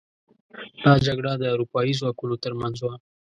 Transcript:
دا جګړه د اروپايي ځواکونو تر منځ وه.